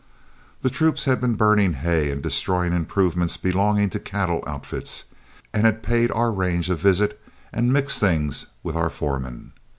The troops had been burning hay and destroying improvements belonging to cattle outfits, and had paid our range a visit and mixed things with our foreman.